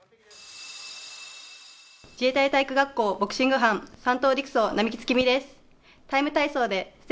自衛隊体育学校、ボクシング班並木月海です。